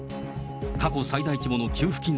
過去最大規模の給付金